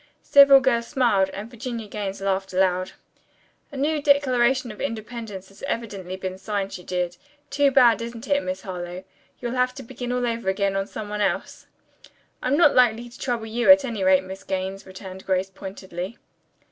Several girls smiled, and Virginia Gaines laughed aloud. "A new declaration of independence has evidently been signed," she jeered. "Too bad, isn't it, Miss Harlowe? You'll have to begin all over again on some one else." "I am not likely to trouble you, at any rate, Miss Gaines," returned Grace pointedly.